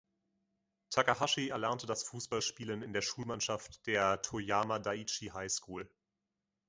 Takahashi erlernte das Fußballspielen in der Schulmannschaft der "Toyama Daiichi High School".